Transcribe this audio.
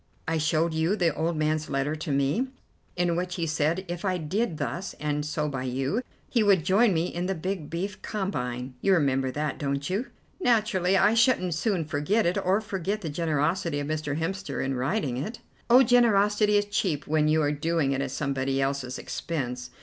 I showed you the old man's letter to me, in which he said if I did thus and so by you, he would join me in the big beef combine. You remember that, don't you?" "Naturally, I shouldn't soon forget it, or forget the generosity of Mr. Hemster in writing it." "Oh, generosity is cheap when you are doing it at somebody else's expense.